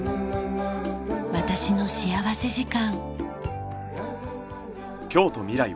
『私の幸福時間』。